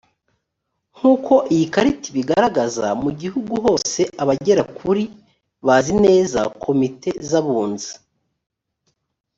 nk uko iyi karita ibigaragaza mu gihugu hose abagera kuri bazi neza komite z abunzi